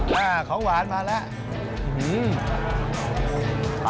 ของหวานมาแล้ว